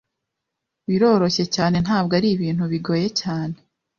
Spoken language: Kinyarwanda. Biroroshye cyane ntabwo ari ibintu bigoye cyane